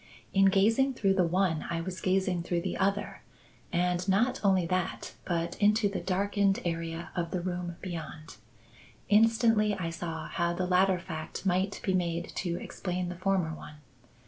In gazing through the one I was gazing through the other; and not only that, but into the darkened area of the room beyond. Instantly I saw how the latter fact might be made to explain the former one.